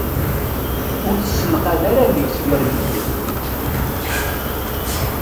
Ur ssenqad ara deg-s gar medden.